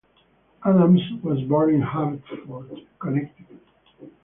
Adams was born in Hartford, Connecticut.